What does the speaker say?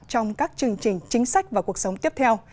trong các chương trình chính sách và cuộc sống tiếp theo